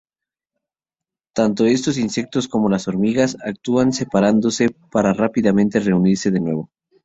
Tanto estos insectos como las hormigas actúan separándose para rápidamente reunirse de nuevo.